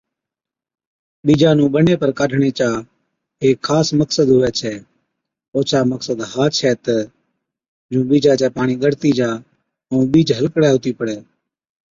ٻِيجا نُون ٻني پر ڪاڍڻي چا هيڪ خاص مقصد هُوَي، اوڇا مقصد ها ڇَي تہ جُون ٻِيجا چَي پاڻِي ڳڙتِي جا ائُون ٻِيج هلڪڙَي هُتِي پڙَي۔